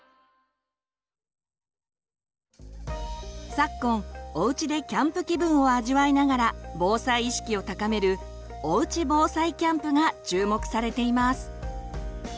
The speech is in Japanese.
昨今おうちでキャンプ気分を味わいながら防災意識を高める「おうち防災キャンプ」が注目されています。